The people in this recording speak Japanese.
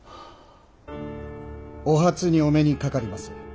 お初にお目にかかります。